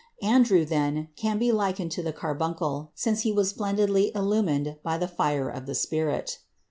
Andrew, then, can be likened to the carbuncle, since he was splendidly illumined by the fire of the Spirit.